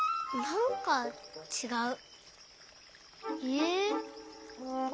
なんかちがう。